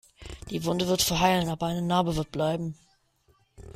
Die Wunde wird verheilen, aber eine Narbe wird bleiben.